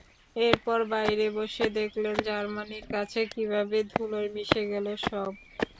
এরপর বাইরে বসে দেখলেন জার্মানির কাছে কীভাবে ধুলোয় মিশে গেল সব।